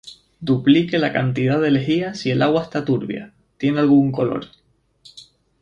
Duplique la cantidad de lejía si el agua está turbia, tiene algún color